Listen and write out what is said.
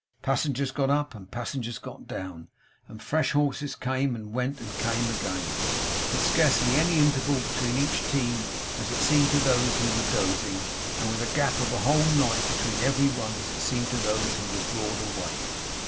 Passengers got up and passengers got down, and fresh horses came and went and came again, with scarcely any interval between each team as it seemed to those who were dozing, and with a gap of a whole night between every one as it seemed to those who were broad awake.